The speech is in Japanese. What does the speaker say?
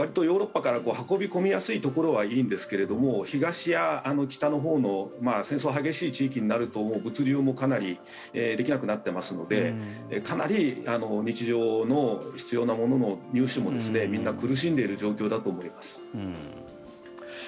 ヨーロッパから運び込みやすいところはいいんですけれども東や北のほうの戦争が激しい地域になると物流も、かなりできなくなっていますのでかなり日常の必要なものの入手もみんな苦しんでいる状況だと思います。